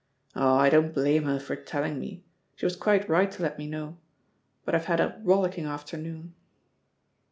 Oh, I don't blame her for telling me, she was quite right to let me know, but I've had a rollicking afternoon."